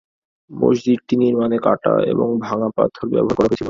মসজিদটি নির্মাণে কাটা এবং ভাঙ্গা পাথর ব্যবহার করা হয়েছিল।